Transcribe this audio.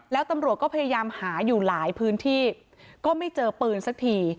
แล้วตำรวจก็พยายามหาอยู่หลายพื้นที่ก็ไม่เจอปืนสักที